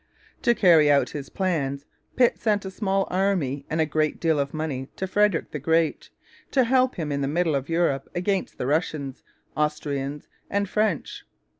To carry out his plans Pitt sent a small army and a great deal of money to Frederick the Great, to help him in the middle of Europe against the Russians, Austrians, and French.